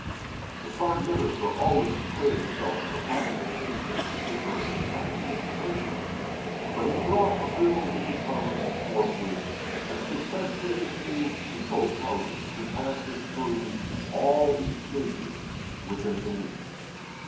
"The Prime Minister always declared himself an opponent of anything savouring of panic legislation, but he brought a Bill into Parliament forthwith and successfully appealed to both Houses to pass it through all its stages within the week.